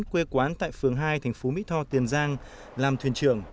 quê quán tại phường hai tp mỹ tho tiền giang làm thuyền trưởng